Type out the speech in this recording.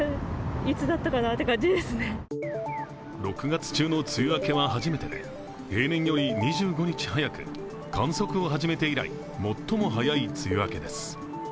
６月中の梅雨明けは初めてで平年より２５日早く観測を始めて以来最も早い梅雨明けです。